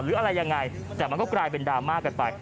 หรืออะไรยังไงแต่มันก็กลายเป็นดราม่ากันไป